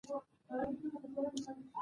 تاریخ د افغانستان د ولایاتو په کچه توپیر لري.